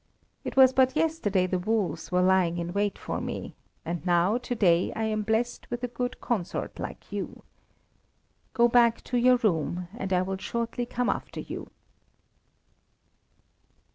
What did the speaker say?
It was but yesterday the wolves were lying in wait for me, and now to day I am blessed with a good consort like you. Go back to your room, and I will shortly come after you."